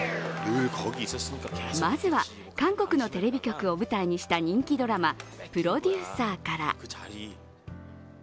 まずは韓国のテレビ局を舞台にした人気ドラマ「プロデューサー」から。